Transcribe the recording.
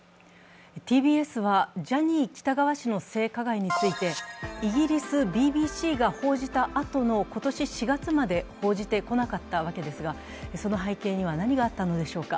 ＴＢＳはジャニー喜多川氏の性加害について、イギリスＢＢＣが報じたあとの今年４月まで報じてこなかったわけですが、その背景には何があったのでしょうか。